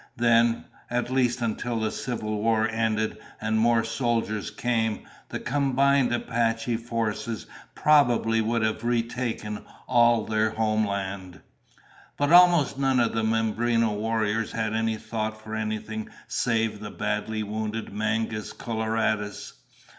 Then, at least until the Civil War ended and more soldiers came, the combined Apache forces probably would have retaken all their homeland. But almost none of the Mimbreno warriors had any thought for anything save the badly wounded Mangus Coloradus.